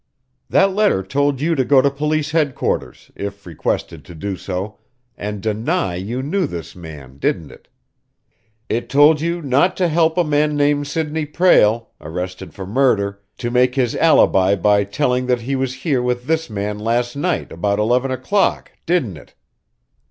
"That letter told you to go to police headquarters, if requested to do so, and deny you knew this man, didn't it? It told you not to help a man named Sidney Prale, arrested for murder, to make his alibi by telling that he was here with this man last night about eleven o'clock, didn't it?"